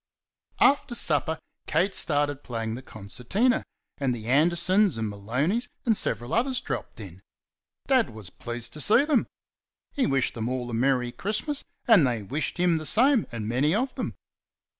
After supper, Kate started playing the concertina, and the Andersons and Maloneys and several others dropped in. Dad was pleased to see them; he wished them all a merry Christmas, and they wished him the same and many of them.